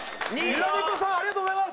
ゆら猫さんありがとうございます！